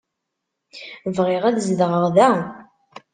Bɣiɣ ad zedɣeɣ da.